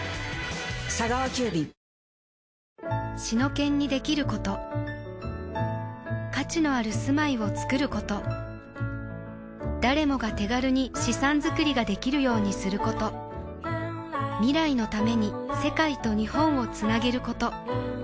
シノケンにできること価値のある住まいをつくること誰もが手軽に資産づくりができるようにすること未来のために世界と日本をつなげること